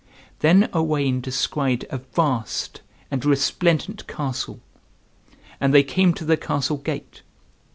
Then Owain descried a vast and resplendent castle; and they came to the castle gate.